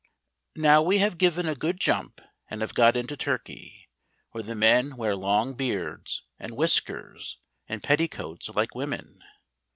Now we have given a good jump and have got into Turkey; where the men wear long beards, and whiskers, and petticoats like women.